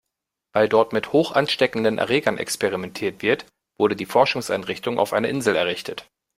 Weil dort mit hochansteckenden Erregern experimentiert wird, wurde die Forschungseinrichtung auf einer Insel errichtet.